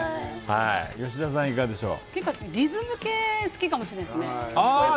リズム系好きかもしれないですね